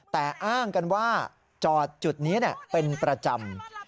แต่อ้างกันว่าจอดจุดนี้เป็นประจำ